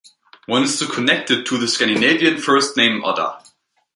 One is to connect it to the Scandinavian first name Odda.